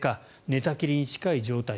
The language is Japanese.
寝たきりに近い状態。